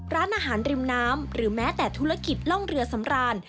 ร้านอาหารริมน้ำหรือแม้แต่ธุรกิจล่องเรือสำราญ